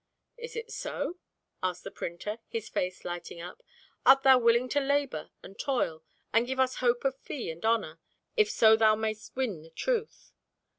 "Is it so?" asked the printer, his face lighting up. "Art thou willing to labour and toil, and give up hope of fee and honour, if so thou mayst win the truth?"